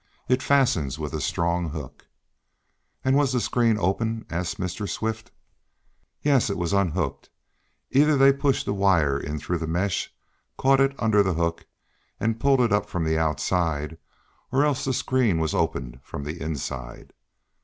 It fastens with a strong hook." "And was the screen open?" asked Mr. Swift "Yes, it was unhooked. Either they pushed a wire in through the mesh, caught it under the hook, and pulled it up from the outside, or else the screen was opened from the inside."